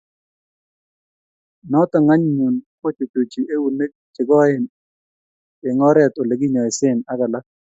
Noto anyun kochuchuchi eunek che koen eng oret Ole kinyoise ak alak